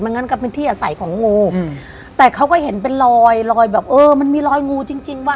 งั้นก็เป็นที่อาศัยของงูอืมแต่เขาก็เห็นเป็นรอยลอยแบบเออมันมีรอยงูจริงจริงว่